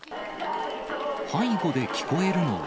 背後で聴こえるのは。